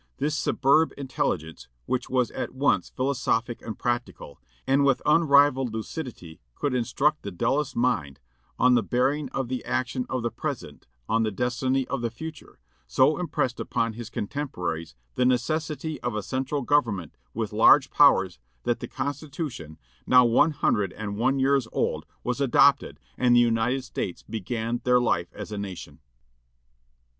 This superb intelligence, which was at once philosophic and practical, and with unrivalled lucidity could instruct the dullest mind on the bearing of the action of the present on the destiny of the future, so impressed upon his contemporaries the necessity of a central government with large powers that the Constitution, now one hundred and one years old, was adopted, and the United States began their life as a nation."